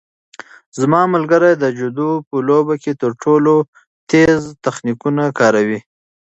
زما ملګری د جودو په لوبه کې تر ټولو تېز تخنیکونه کاروي.